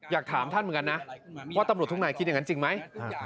อยากถามท่านเหมือนกันนะว่าตำรวจทุกนายคิดอย่างนั้นจริงไหม